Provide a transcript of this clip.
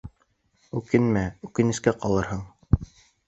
Үкенмә, үкенескә ҡалырһың.